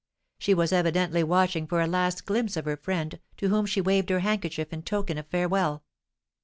She was evidently watching for a last glimpse of her friend, to whom she waved her handkerchief in token of farewell.